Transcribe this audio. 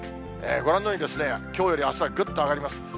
ご覧のように、きょうよりあすはぐっと上がります。